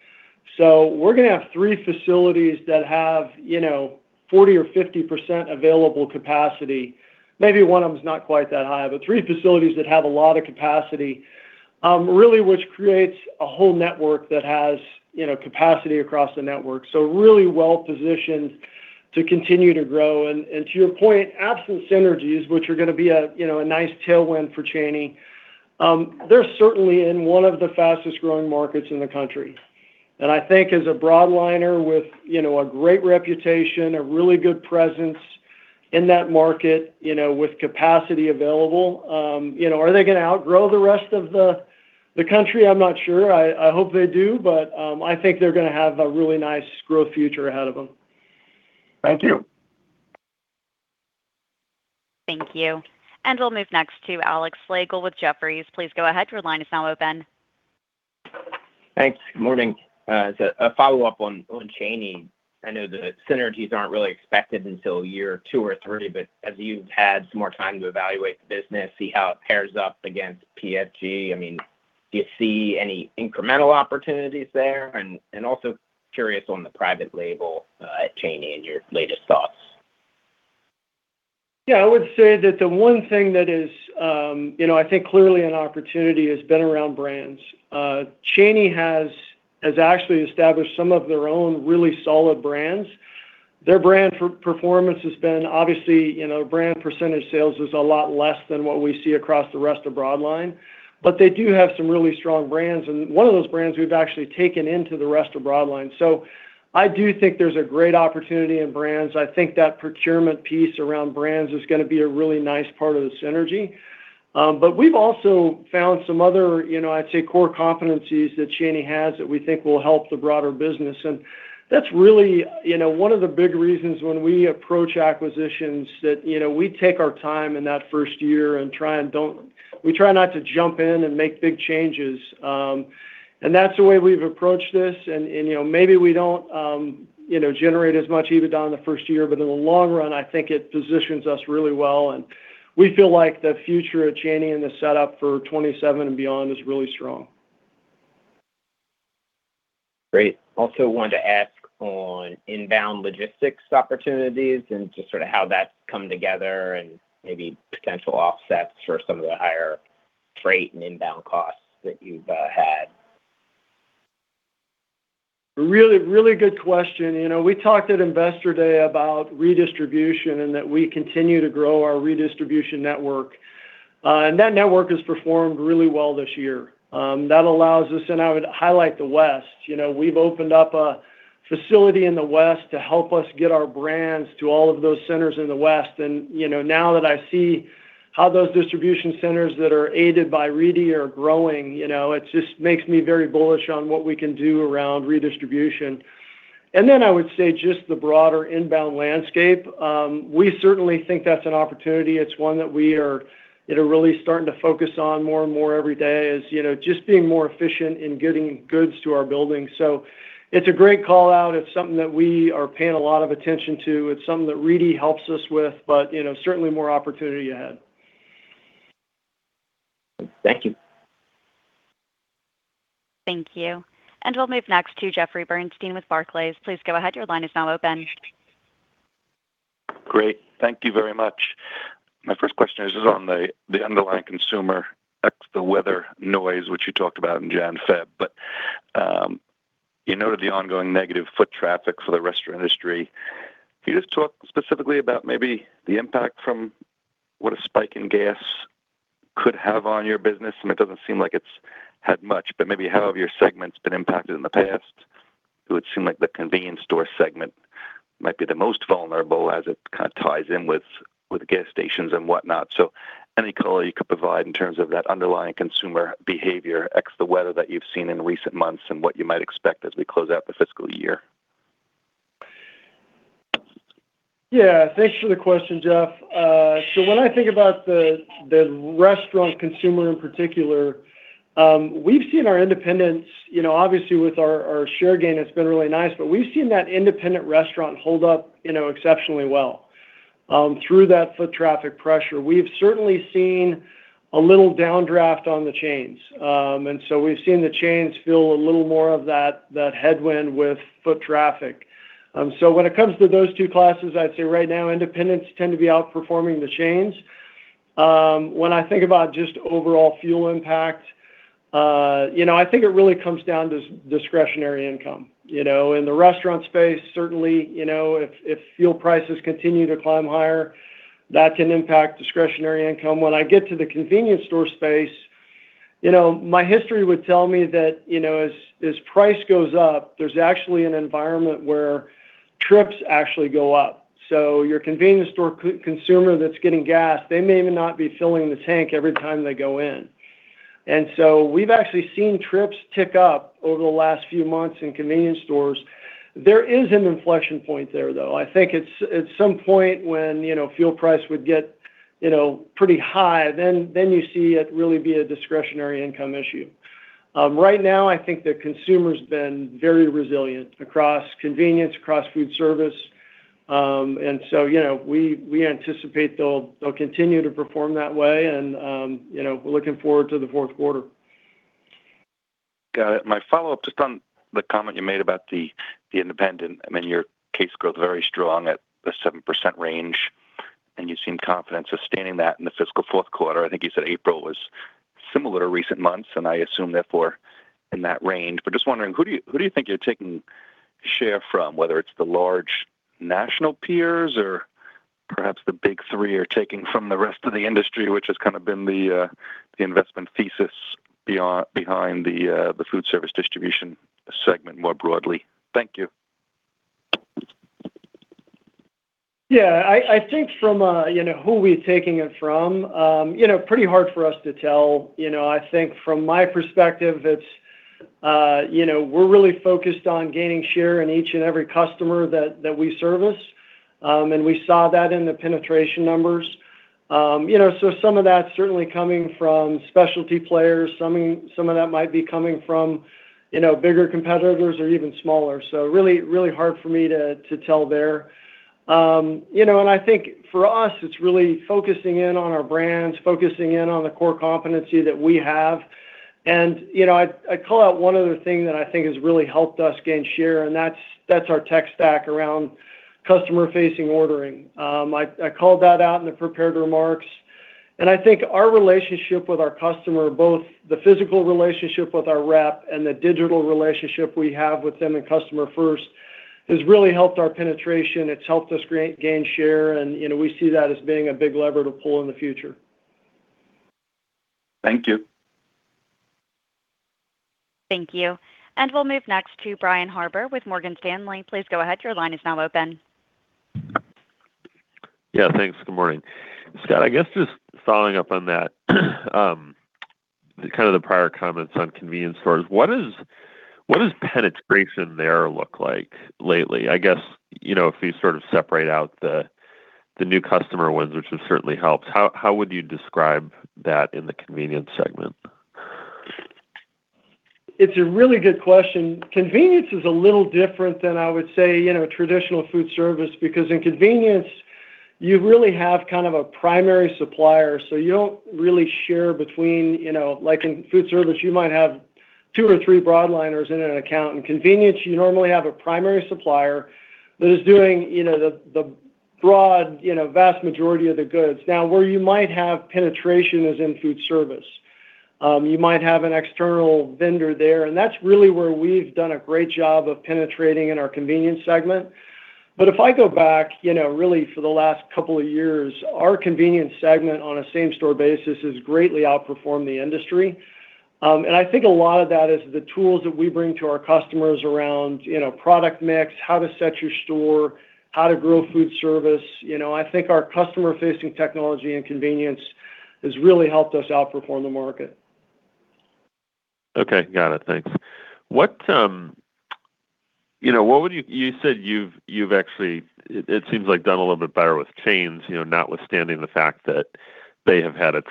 We're gonna have three facilities that have, you know, 40% or 50% available capacity. Maybe one of them is not quite that high, but 3 facilities that have a lot of capacity, really which creates a whole network that has, you know, capacity across the network. Really well-positioned to continue to grow. To your point, absent synergies, which are gonna be a, you know, a nice tailwind for Cheney, they're certainly in one of the fastest-growing markets in the country. I think as a Broadliner with, you know, a great reputation, a really good presence in that market, you know, with capacity available, you know, are they gonna outgrow the rest of the country? I'm not sure. I hope they do, but, I think they're gonna have a really nice growth future ahead of them. Thank you. Thank you. We'll move next to Alex Slagle with Jefferies. Please go ahead. Your line is now open. Thanks. Good morning. A follow-up on Chaney. I know the synergies aren't really expected until year 2 or 3, but as you've had some more time to evaluate the business, see how it pairs up against PFG, I mean, do you see any incremental opportunities there? Also curious on the private label at Chaney and your latest thoughts. Yeah, I would say that the one thing that is, you know, I think clearly an opportunity has been around brands. Cheney has actually established some of their own really solid brands. Their brand performance has been obviously, you know, brand percentage sales is a lot less than what we see across the rest of Broadline. They do have some really strong brands, and one of those brands we've actually taken into the rest of Broadline. I do think there's a great opportunity in brands. I think that procurement piece around brands is gonna be a really nice part of the synergy. But we've also found some other, you know, I'd say, core competencies that Cheney has that we think will help the broader business. That's really, you know, one of the big reasons when we approach acquisitions that, you know, we take our time in that first year and we try not to jump in and make big changes. That's the way we've approached this and, you know, maybe we don't, you know, generate as much EBITDA in the first year, but in the long run, I think it positions us really well. We feel like the future of Cheney and the setup for 2027 and beyond is really strong. Great. Also wanted to ask on inbound logistics opportunities and just sort of how that's come together and maybe potential offsets for some of the higher freight and inbound costs that you've had. Really, really good question. You know, we talked at Investor Day about redistribution and that we continue to grow our redistribution network. That network has performed really well this year. I would highlight the West. You know, we've opened up a facility in the West to help us get our brands to all of those centers in the West. You know, now that I see how those distribution centers that are aided by Redi are growing, you know, it just makes me very bullish on what we can do around redistribution. Then I would say just the broader inbound landscape. We certainly think that's an opportunity. It's one that we are, you know, really starting to focus on more and more every day is, you know, just being more efficient in getting goods to our buildings. It's a great call-out. It's something that we are paying a lot of attention to. It's something that Redi helps us with, but, you know, certainly more opportunity ahead. Thank you. Thank you. We'll move next to Jeffrey Bernstein with Barclays. Please go ahead. Great. Thank you very much. My first question is on the underlying consumer X the weather noise, which you talked about in Jan, Feb. You noted the ongoing negative foot traffic for the restaurant industry. Can you just talk specifically about maybe the impact from what a spike in gas could have on your business? I mean, it doesn't seem like it's had much, maybe how have your segments been impacted in the past? It would seem like the convenience store segment might be the most vulnerable as it kind of ties in with gas stations and whatnot. Any color you could provide in terms of that underlying consumer behavior, X the weather that you've seen in recent months and what you might expect as we close out the fiscal year. Yeah. Thanks for the question, Jeff. When I think about the restaurant consumer in particular, we've seen our independents, you know, obviously with our share gain, it's been really nice. We've seen that independent restaurant hold up, you know, exceptionally well, through that foot traffic pressure. We've certainly seen a little downdraft on the chains. We've seen the chains feel a little more of that headwind with foot traffic. When it comes to those two classes, I'd say right now, independents tend to be outperforming the chains. When I think about just overall fuel impact, you know, I think it really comes down to discretionary income. You know, in the restaurant space, certainly, you know, if fuel prices continue to climb higher, that can impact discretionary income. When I get to the convenience store space, you know, my history would tell me that, you know, as price goes up, there's actually an environment where trips actually go up. Your convenience store co-consumer that's getting gas, they may even not be filling the tank every time they go in. We've actually seen trips tick up over the last few months in convenience stores. There is an inflection point there, though. I think at some point when, you know, fuel price would get, you know, pretty high, then you see it really be a discretionary income issue. Right now, I think the consumer's been very resilient across convenience, across food service. You know, we anticipate they'll continue to perform that way. You know, we're looking forward to the fourth quarter. Got it. My follow-up just on the comment you made about the independent. I mean, your case growth very strong at the 7% range, and you seem confident sustaining that in the fiscal fourth quarter. I think you said April was similar to recent months. I assume therefore in that range. Just wondering, who do you think you're taking share from? Whether it's the large national peers or perhaps the big three are taking from the rest of the industry, which has kind of been the investment thesis behind the foodservice distribution segment more broadly. Thank you. Yeah. I think from, you know, who we're taking it from, you know, pretty hard for us to tell. You know, I think from my perspective, it's, you know, we're really focused on gaining share in each and every customer that we service. We saw that in the penetration numbers. You know, some of that's certainly coming from specialty players. Some of that might be coming from, you know, bigger competitors or even smaller. Really hard for me to tell there. You know, I think for us, it's really focusing in on our brands, focusing in on the core competency that we have. You know, I call out one other thing that I think has really helped us gain share, and that's our tech stack around CustomerFirst odering. I called that out in the prepared remarks. I think our relationship with our customer, both the physical relationship with our rep and the digital relationship we have with them in CustomerFirst, has really helped our penetration. It's helped us gain share, and, you know, we see that as being a big lever to pull in the future. Thank you. Thank you. We'll move next to Brian Harbour with Morgan Stanley. Please go ahead. Your line is now open. Yeah, thanks. Good morning. Scott, I guess just following up on that, kind of the prior comments on convenience stores. What does penetration there look like lately? I guess, you know, if you sort of separate out the new customer wins, which has certainly helped. How would you describe that in the convenience segment? It's a really good question. Convenience is a little different than I would say, you know, traditional foodservice because in convenience you really have kind of a primary supplier. You don't really share between. You know, like in foodservice, you might have two or three broadliners in an account. In convenience, you normally have a primary supplier that is doing, you know, the broad, you know, vast majority of the goods. Where you might have penetration is in foodservice. You might have an external vendor there, and that's really where we've done a great job of penetrating in our convenience segment. If I go back, you know, really for the last couple of years, our convenience segment on a same-store basis has greatly outperformed the industry. I think a lot of that is the tools that we bring to our customers around, you know, product mix, how to set your store, how to grow foodservice. You know, I think our customer-facing technology and convenience has really helped us outperform the market. Okay. Got it. Thanks. You know, you said you've actually, it seems like done a little bit better with chains, you know, notwithstanding the fact that they have had a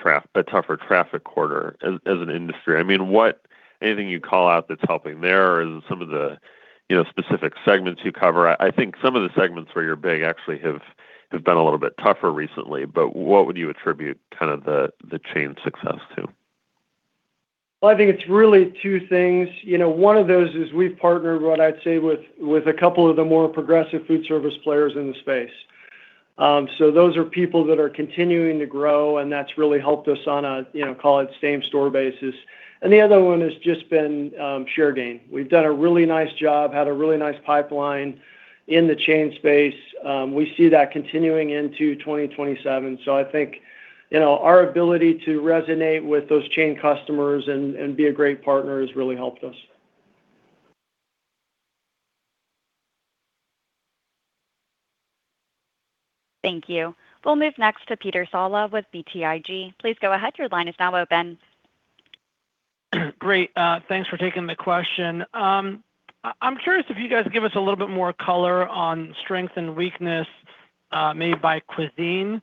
tougher traffic quarter as an industry. I mean, what anything you'd call out that's helping there? Is it some of the, you know, specific segments you cover? I think some of the segments where you're big actually have done a little bit tougher recently, but what would you attribute kind of the chain success to? Well, I think it's really two things. You know, one of those is we've partnered, what I'd say, with two of the more progressive foodservice players in the space. Those are people that are continuing to grow, and that's really helped us on a, you know, call it same-store basis. The other one has just been share gain. We've done a really nice job, had a really nice pipeline in the chain space. We see that continuing into 2027. I think, you know, our ability to resonate with those chain customers and be a great partner has really helped us. Thank you. We'll move next to Peter Saleh with BTIG. Please go ahead. Great. Thanks for taking the question. I'm curious if you guys can give us a little bit more color on strength and weakness, maybe by cuisine.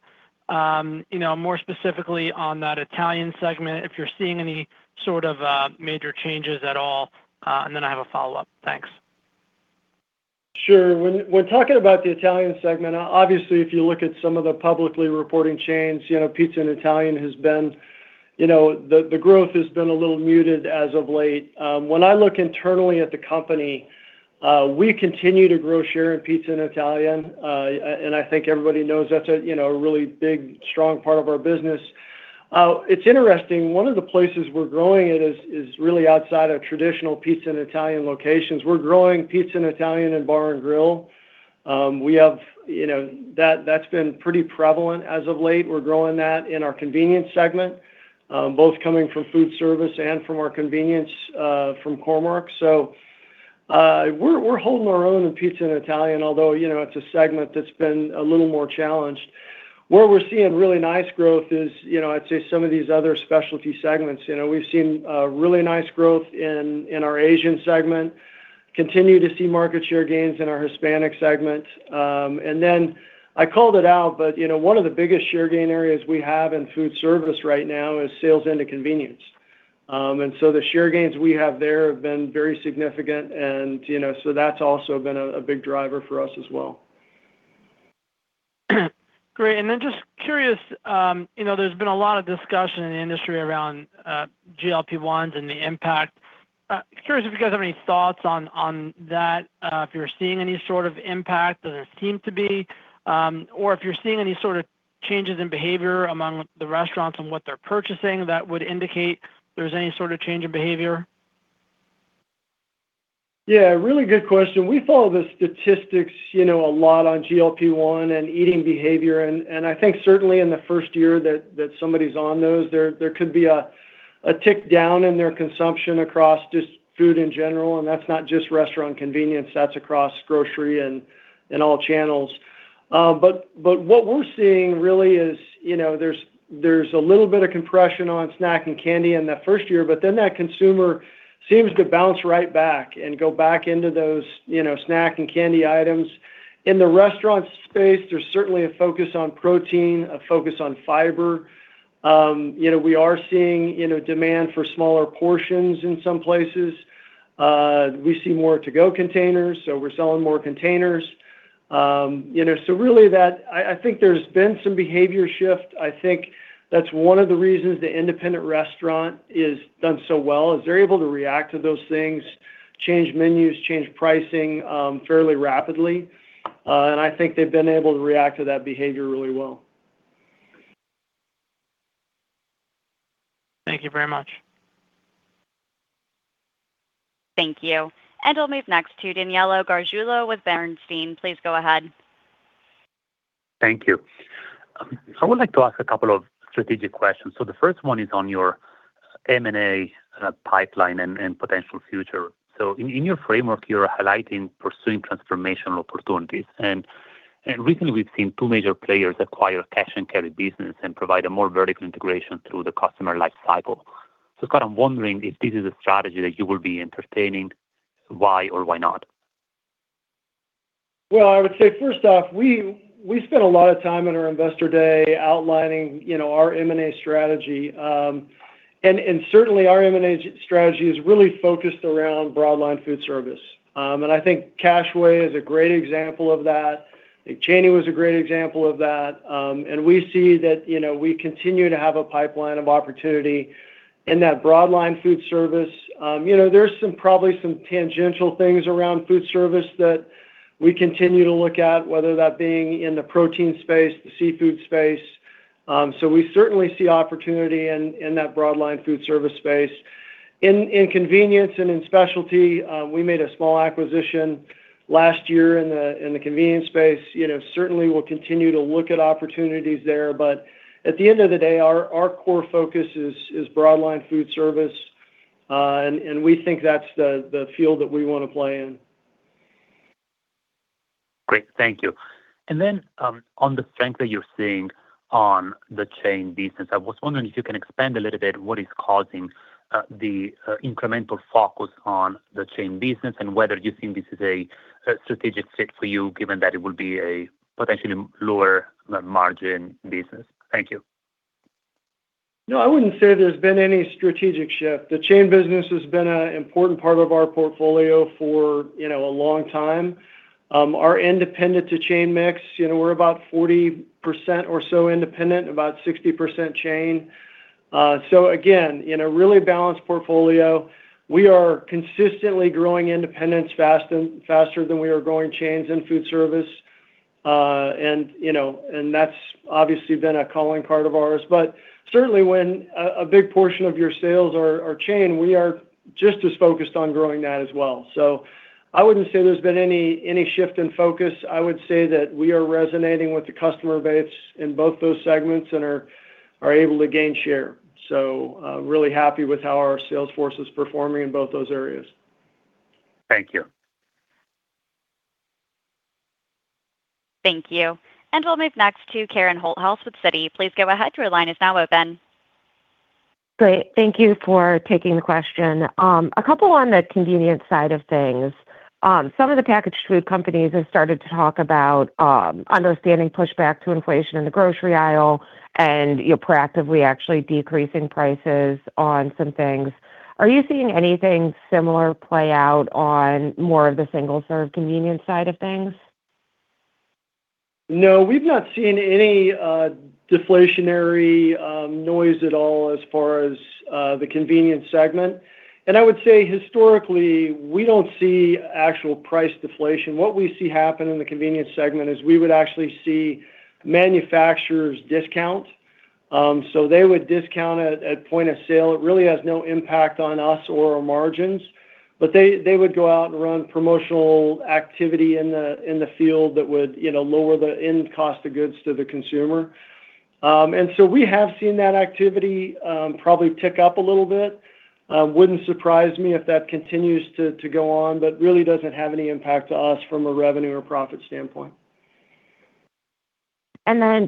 You know, more specifically on that Italian segment, if you're seeing any sort of major changes at all. Then I have a follow-up. Thanks. Sure. When we're talking about the Italian segment, obviously, if you look at some of the publicly reporting chains, you know, pizza and Italian has been, you know the growth has been a little muted as of late. When I look internally at the company, we continue to grow share in pizza and Italian. I think everybody knows that's a, you know, a really big, strong part of our business. It's interesting. One of the places we're growing it is really outside of traditional pizza and Italian locations. We're growing pizza and Italian in bar and grill. We have, you know, that's been pretty prevalent as of late. We're growing that in our convenience segment, both coming from food service and from our convenience, from Core-Mark. We're holding our own in pizza and Italian, although, you know, it's a segment that's been a little more challenged. Where we're seeing really nice growth is, you know, I'd say some of these other specialty segments. You know, we've seen really nice growth in our Asian segment, continue to see market share gains in our Hispanic segment. I called it out, but, you know, one of the biggest share gain areas we have in food service right now is sales into convenience. The share gains we have there have been very significant and, you know, that's also been a big driver for us as well. Great. Just curious, you know, there's been a lot of discussion in the industry around GLP-1s and the impact. Curious if you guys have any thoughts on that, if you're seeing any sort of impact or if you're seeing any sort of changes in behavior among the restaurants and what they're purchasing that would indicate there's any sort of change in behavior. Yeah, really good question. We follow the statistics, you know, a lot on GLP-1 and eating behavior. I think certainly in the first year that somebody's on those, there could be a tick down in their consumption across just food in general, and that's not just restaurant convenience, that's across grocery and all channels. What we're seeing really is, you know, there's a little bit of compression on snack and candy in that first year, but then that consumer seems to bounce right back and go back into those, you know, snack and candy items. In the restaurant space, there's certainly a focus on protein, a focus on fiber. You know, we are seeing, you know, demand for smaller portions in some places. We see more to-go containers, so we're selling more containers. You know, really that I think there's been some behavior shift. I think that's one of the reasons the independent restaurant is done so well, is they're able to react to those things, change menus, change pricing, fairly rapidly. I think they've been able to react to that behavior really well. Thank you very much. Thank you. We'll move next to Danilo Gargiulo with Bernstein. Please go ahead. Thank you. I would like to ask a couple of strategic questions. The first one is on your M&A pipeline and potential future. In your framework, you're highlighting pursuing transformational opportunities. And recently we've seen two major players acquire cash and carry business and provide a more vertical integration through the customer life cycle. Scott, I'm wondering if this is a strategy that you will be entertaining. Why or why not? Well, I would say first off, we spent a lot of time in our investor day outlining, you know, our M&A strategy. Certainly our M&A strategy is really focused around Broadline foodservice. I think Cash-Wa is a great example of that. I think Cheney was a great example of that. We see that, you know, we continue to have a pipeline of opportunity in that Broadline foodservice. You know, there's some probably some tangential things around foodservice that we continue to look at, whether that being in the protein space, the seafood space. We certainly see opportunity in that Broadline foodservice space. In convenience and in specialty, we made a small acquisition last year in the convenience space. You know, certainly we'll continue to look at opportunities there. At the end of the day, our core focus is Broadline foodservice. We think that's the field that we wanna play in. Great. Thank you. On the strength that you're seeing on the chain business, I was wondering if you can expand a little bit what is causing the incremental focus on the chain business and whether you think this is a strategic fit for you given that it will be a potentially lower margin business? Thank you. No, I wouldn't say there's been any strategic shift. The chain business has been a important part of our portfolio for, you know, a long time. Our independent to chain mix, you know, we're about 40% or so independent, about 60% chain. Again, in a really balanced portfolio, we are consistently growing independence faster than we are growing chains and food service. You know, that's obviously been a calling part of ours. Certainly when a big portion of your sales are chain, we are just as focused on growing that as well. I wouldn't say there's been any shift in focus. I would say that we are resonating with the customer base in both those segments and are able to gain share. Really happy with how our sales force is performing in both those areas. Thank you. Thank you. We'll move next to Karen Holthouse with Citi. Please go ahead, your line is now open. Great. Thank you for taking the question. A couple on the convenience side of things. Some of the packaged food companies have started to talk about understanding pushback to inflation in the grocery aisle and, you know, proactively actually decreasing prices on some things. Are you seeing anything similar play out on more of the single serve convenience side of things? No, we've not seen any deflationary noise at all as far as the convenience segment. I would say historically, we don't see actual price deflation. What we see happen in the convenience segment is we would actually see manufacturers discount. They would discount at point of sale. It really has no impact on us or our margins, but they would go out and run promotional activity in the field that would, you know, lower the end cost of goods to the consumer. We have seen that activity probably tick up a little bit. Wouldn't surprise me if that continues to go on, but really doesn't have any impact to us from a revenue or profit standpoint.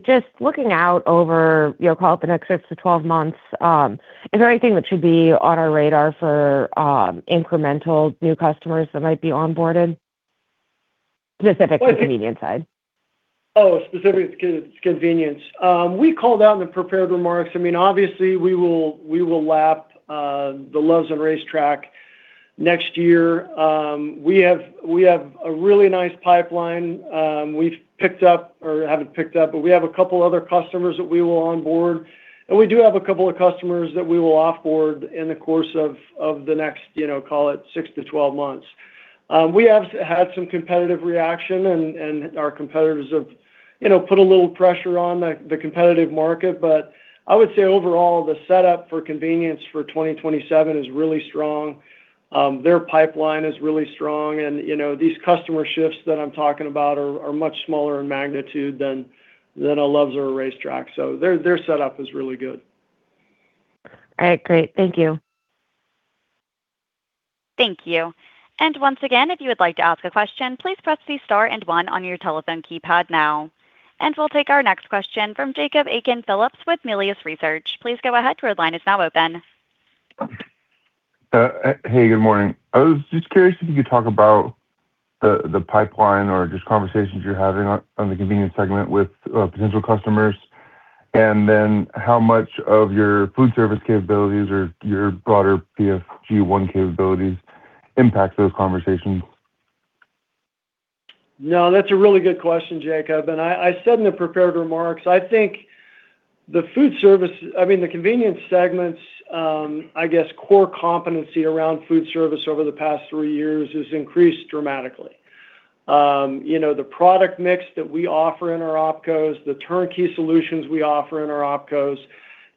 Just looking out over, you know, call it the next 6 to 12 months, is there anything that should be on our radar for incremental new customers that might be onboarded, specific to the convenience side? Specific to convenience. We called out in the prepared remarks. I mean, obviously we will lap the Love's and RaceTrac next year. We have a really nice pipeline. We've picked up or haven't picked up, but we have a couple other customers that we will onboard, and we do have a couple of customers that we will off-board in the course of the next, you know, call it 6 months-12 months. We have had some competitive reaction and our competitors have, you know, put a little pressure on the competitive market. I would say overall, the setup for convenience for 2027 is really strong. Their pipeline is really strong and, you know, these customer shifts that I'm talking about are much smaller in magnitude than a Love's or a RaceTrac. Their setup is really good. All right, great. Thank you. Thank you. Once again, if you would like to ask a question, please press the star and one on your telephone keypad now. We'll take our next question from Jacob Aiken-Phillips with Melius Research. Please go ahead, your line is now open. Hey, good morning. I was just curious if you could talk about the pipeline or just conversations you're having on the convenience segment with potential customers. Then how much of your foodservice capabilities or your broader PFG One capabilities impact those conversations? No, that's a really good question, Jacob, and I said in the prepared remarks, I think the convenience segments, I guess core competency around foodservice over the past three years has increased dramatically. You know, the product mix that we offer in our opcos, the turnkey solutions we offer in our opcos,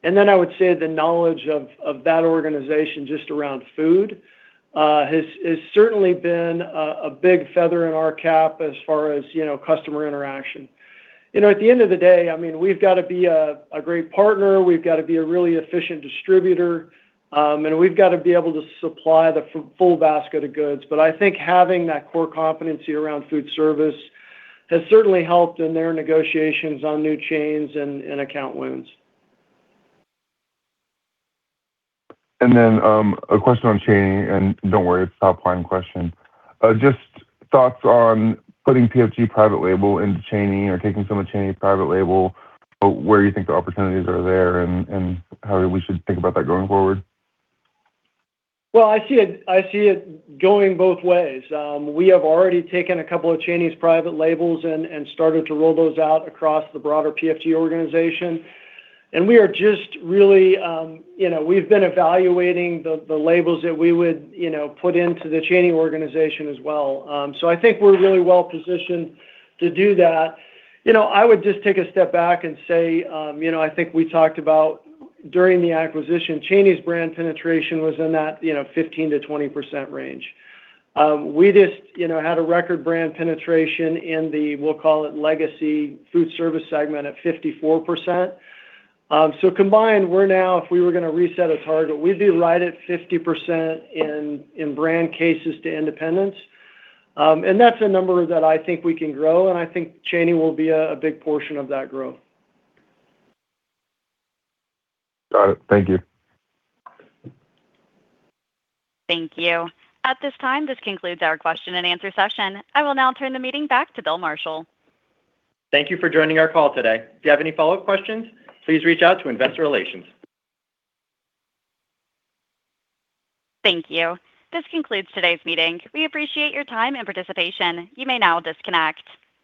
and then I would say the knowledge of that organization just around food has certainly been a big feather in our cap as far as, you know, customer interaction. You know, at the end of the day, I mean, we've got to be a great partner, we've got to be a really efficient distributor, and we've got to be able to supply the full basket of goods. I think having that core competency around foodservice has certainly helped in their negotiations on new chains and account wins. A question on Chaney, and don't worry, it's a top-line question. Thoughts on putting PFG private label into Chaney or taking some of Cheney's private label, where you think the opportunities are there and how we should think about that going forward. Well, I see it going both ways. We have already taken a couple of Cheney's private labels and started to roll those out across the broader PFG organization. We are just really, you know, we've been evaluating the labels that we would, you know, put into the Chaney organization as well. I think we're really well-positioned to do that. You know, I would just take a step back and say, you know, I think we talked about during the acquisition, Cheney's brand penetration was in that, you know, 15%-20% range. We just, you know, had a record brand penetration in the, we'll call it, legacy food service segment at 54%. Combined, we're now, if we were gonna reset a target, we'd be right at 50% in brand cases to independents. That's a number that I think we can grow, and I think Cheney will be a big portion of that growth. Got it. Thank you. Thank you. At this time, this concludes our question and answer session. I will now turn the meeting back to Bill Marshall. Thank you for joining our call today. If you have any follow-up questions, please reach out to Investor Relations. Thank you. This concludes today's meeting. We appreciate your time and participation. You may now disconnect.